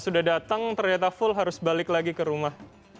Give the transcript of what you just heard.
sudah datang ternyata full harus balik lagi ke rumah